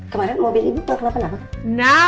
kemarin mobil ibu kok kenapa kenapa